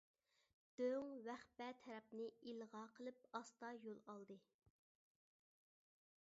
دۆڭ ۋەخپە تەرەپنى ئىلغا قىلىپ ئاستا يول ئالدى.